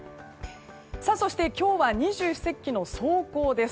そして、今日は二十四節気の霜降です。